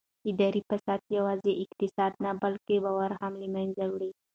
اداري فساد یوازې اقتصاد نه بلکې باور هم له منځه وړي